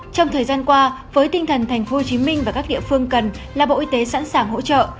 trong thời gian qua với tinh thần tp hcm và các địa phương cần là bộ y tế sẵn sàng hỗ trợ